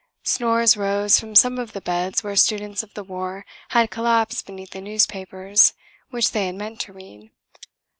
Snores rose from some of the beds where students of the war had collapsed beneath the newspapers which they had meant to read.